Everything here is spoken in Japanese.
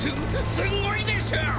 すごいでしょ！？